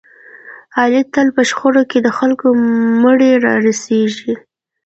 علي تل په شخړو کې د خلکو مړي را سپړي.